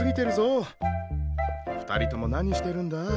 ２人とも何してるんだ？